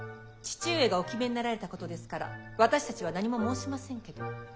父上がお決めになられたことですから私たちは何も申しませんけど。